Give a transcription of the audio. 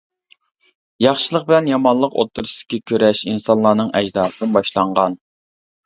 ياخشىلىق بىلەن يامانلىق ئوتتۇرىسىدىكى كۈرەش ئىنسانلارنىڭ ئەجدادىدىن باشلانغان.